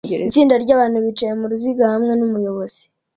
Itsinda ryabantu bicaye muruziga hamwe numuyobozi